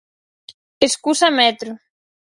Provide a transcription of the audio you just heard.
Escusa metro.